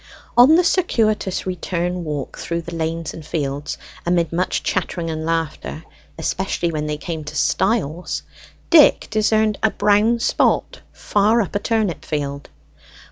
On the circuitous return walk through the lanes and fields, amid much chattering and laughter, especially when they came to stiles, Dick discerned a brown spot far up a turnip field.